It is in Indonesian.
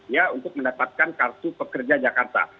ya untuk mendapatkan kartu pekerja jakarta